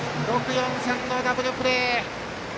６―４―３のダブルプレー。